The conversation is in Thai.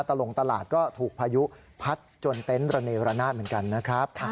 ลงตลาดก็ถูกพายุพัดจนเต็นต์ระเนรนาศเหมือนกันนะครับ